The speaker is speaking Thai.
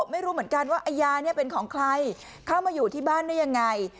ไม่รู้เหมือนกันว่าไอ้ยาเนี่ยเป็นของใครเข้ามาอยู่ที่บ้านได้ยังไง